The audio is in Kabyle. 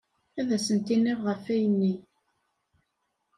Ad asent-iniɣ ɣef ayenni.